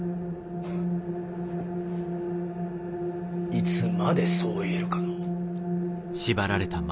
いつまでそう言えるかのう？